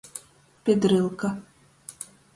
Pidrylka.